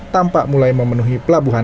tanpa mulai memenuhi pelabuhan